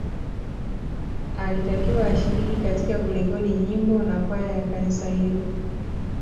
Alitakiwa ashiriki katika kurekodi nyimbo na kwaya ya kanisa hilo